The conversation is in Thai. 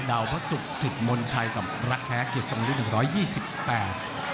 ดาวพระศุกร์สิทธิ์มนต์ชัยกับรักแท้เกียรติศักดิ์รุ่น๑๒๘